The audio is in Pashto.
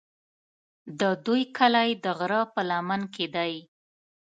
د دوی کلی د غره په لمن کې دی.